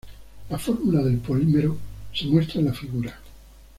La fórmula del polímero se muestra en la figura.